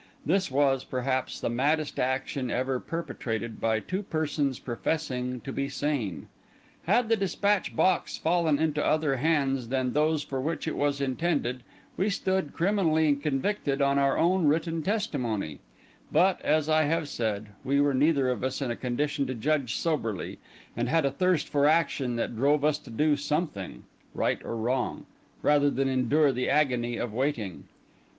This was, perhaps, the maddest action ever perpetrated by two persons professing to be sane. Had the despatch box fallen into other hands than those for which it was intended, we stood criminally convicted on our own written testimony; but, as I have said, we were neither of us in a condition to judge soberly, and had a thirst for action that drove us to do something, right or wrong, rather than endure the agony of waiting.